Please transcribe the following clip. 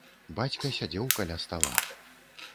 Бацька сядзеў каля стала.